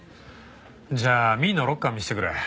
じゃあ美依のロッカー見せてくれ。